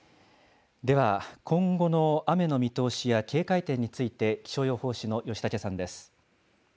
では、今後の雨の見通しや警戒点について、気象予報士の吉竹さんです。